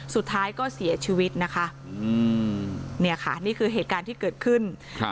สุดท้ายก็เสียชีวิตนะคะอืมเนี่ยค่ะนี่คือเหตุการณ์ที่เกิดขึ้นครับ